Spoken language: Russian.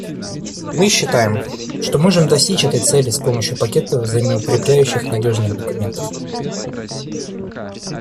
Мы считаем, что можем достичь этой цели с помощью пакета взаимоукрепляющих надежных документов.